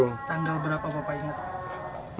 tanggal berapa bapak ingat